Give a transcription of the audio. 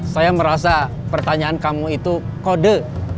saya merasa pertanyaan kamu itu kode